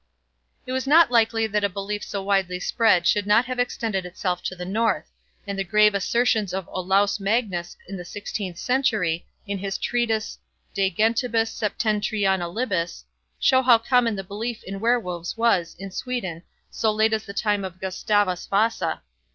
It was not likely that a belief so widely spread should not have extended itself to the North; and the grave assertions of Olaus Magnus in the sixteenth century, in his Treatise De Gentibus Septentrionalibus, show how common the belief in were wolves was in Sweden so late as the time of Gustavus Vasa.